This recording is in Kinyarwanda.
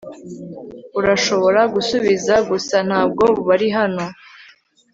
urashobora gusubiza gusa ntabwo bari hano